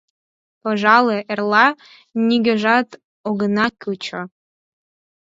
— Пожале, эрла нигӧжат огына кучо.